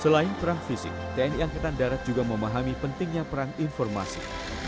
selain perang fisik tni angkatan darat juga memahami pentingnya perang informasi